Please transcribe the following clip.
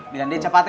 bilang dia cepat ya